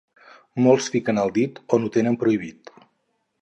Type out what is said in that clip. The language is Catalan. Molts fiquen el dit on ho tenen prohibit.